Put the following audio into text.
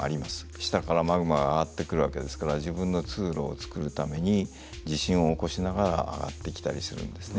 下からマグマが上がってくるわけですから自分の通路を作るために地震を起こしながら上がってきたりするんですね。